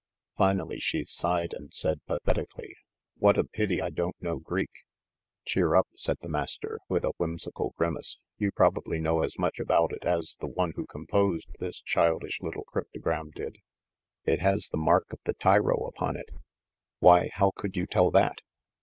Finally she sighed and said pathetically, "What a pity I don't know Greek!" "Cheer up!" said the Master, with a whimsical grimace. "You probably know as much about it as the one who composed this childish little cryptogram did. It has the mark of the tyro upon it." "Why! how could you tell that?"